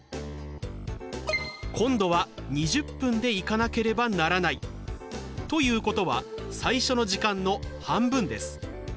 今度は２０分で行かなければならないということは最初の時間の半分です。